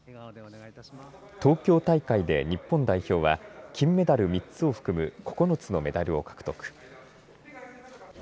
東京大会で日本代表は金メダル３つを含む９つのメダルを獲得。